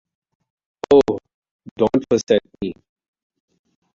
Oh, don't fuss at me!